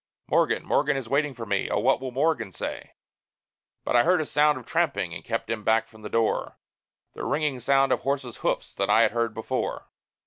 Morgan Morgan is waiting for me! Oh, what will Morgan say?" But I heard a sound of tramping and kept him back from the door The ringing sound of horses' hoofs that I had heard before.